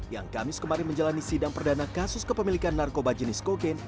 yang kamis kemarin menjalani sidang perdana kasus kepemilikan narkoba jenis kokain